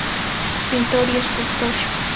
Pintor y escultor.